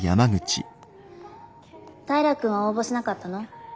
平君は応募しなかったの？